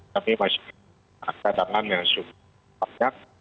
kami masih ada keadaan yang cukup banyak